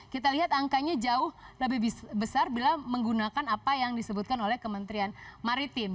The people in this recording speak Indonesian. kita lihat angkanya jauh lebih besar bila menggunakan apa yang disebutkan oleh kementerian maritim